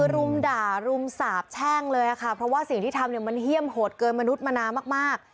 รุมด่ารุมสาบแช่งเลยค่ะเพราะว่าสิ่งที่ทำเนี่ยมันเฮี่ยมโหดเกินมนุษย์มานานมาก